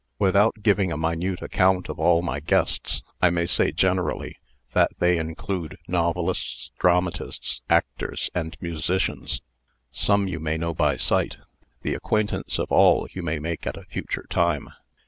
"Without giving a minute account of all my guests, I may say generally, that they include novelists, dramatists, actors, and musicians. Some you may know by sight. The acquaintance of all you may make at a future time."